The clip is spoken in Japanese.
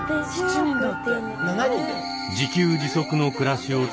自給自足の暮らしを続け